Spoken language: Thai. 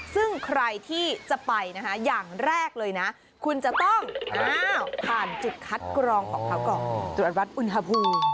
ซึ่งใครที่จะไปนะคะอย่างแรกเลยนะคุณจะต้องผ่านจุดคัดกรองของเขาก่อนตรวจวัดอุณหภูมิ